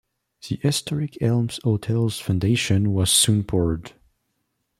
The historic Elms Hotel's foundation was soon poured.